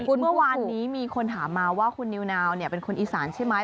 คุณเมื่อวานนี้มีคนถามมาว่าคุณนิวนาวเป็นคนอีสานใช่ไหม